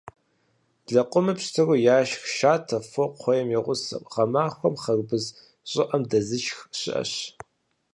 Лэкъумыр пщтыру яшх, шатэ, фо, кхъуей и гъусэу. Гъэмахуэм хъарбыз щӏыӏэм дэзышх щыӏэщ.